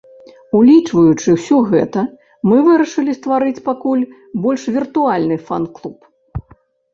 Улічваючы ўсё гэта, мы вырашылі стварыць пакуль больш віртуальны фан-клуб.